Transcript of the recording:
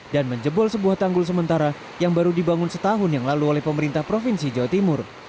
dan menjebol sebuah tanggul sementara yang baru dibangun setahun yang lalu oleh pemerintah provinsi jawa timur